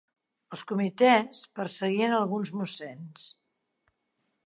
Els Comitès perseguien alguns mossens.